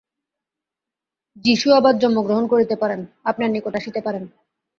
যীশু আবার জন্মগ্রহণ করিতে পারেন, আপনার নিকট আসিতে পারেন।